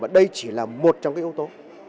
đây chỉ là một trong những công tố